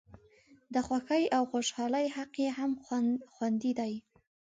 د خوښۍ او خوشالۍ حق یې هم خوندي دی.